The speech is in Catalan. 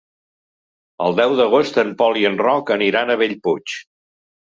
El deu d'agost en Pol i en Roc aniran a Bellpuig.